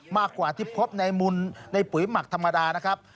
มากกว่าที่พบในปุ๋ยหมักธรรมดานะครับ